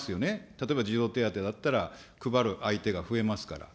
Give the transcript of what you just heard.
例えば児童手当だったら、配る相手が増えますから。